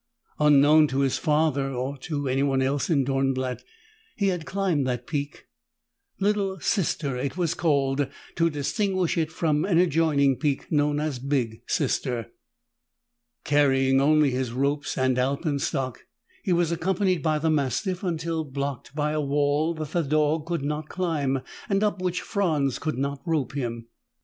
Unknown to his father, or to anyone else in Dornblatt, he had climbed that peak. Little Sister it was called, to distinguish it from an adjoining peak known as Big Sister. Carrying only his ropes and alpenstock, he was accompanied by the mastiff until blocked by a wall that the dog could not climb and up which Franz could not rope him.